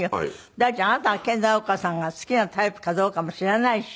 第一あなたが研ナオコさんが好きなタイプかどうかも知らないし。